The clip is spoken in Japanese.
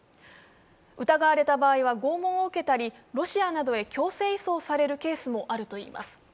疑われた場合は拷問をの受けたりロシアなどへ強制移送される場合もあるといいます。